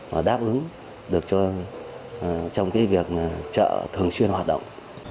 và đáp ứng được trong cái việc chợ thường xuyên hoạt động